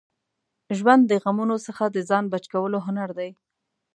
ژوند د غمونو څخه د ځان بچ کولو هنر دی.